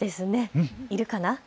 いるかな？